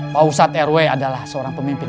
pak ustadz rw adalah seorang pemimpin